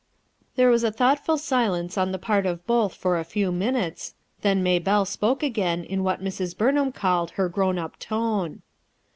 There was a thoughtful silence on the part of both for a few minutes, then Maybelle spoke again in what Mrs. Burnham called her grown up tone.